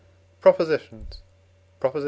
PROPOSITIONS. PROP. I.